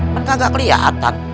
kan kagak keliatan